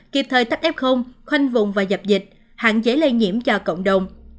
kịp thời tắt f khoanh vùng và dập dịch hạn chế lây nhiễm cho cộng đồng